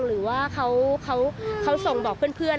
หรือว่าเขาส่งบอกเพื่อน